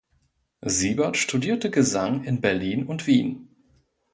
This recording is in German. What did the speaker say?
Siebert studierte Gesang in Berlin und Wien.